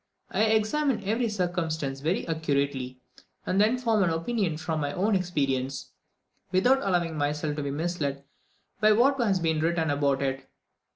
I examine every circumstance very accurately, and then form an opinion from my own experience, without allowing myself to be misled by what has been written about it.